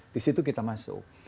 di situ kita masuk